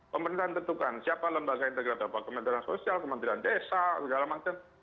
pemerintahan tentukan siapa lembaga integrada apa kementerian sosial kementerian desa segala macam